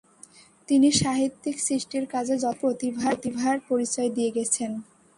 তিনি সাহিত্যিক সৃষ্টির কাজে যথেষ্ট প্রতিভার পরিচয় দিয়ে গেছেন।